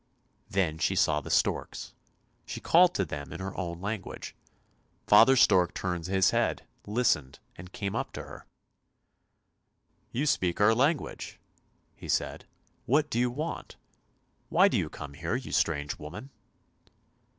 Then she saw the storks; she called to them in her own lan guage. Father stork turned his head, listened, and came up to her. " You speak our language," he said. " What do you want? Why do you come here, you strange woman?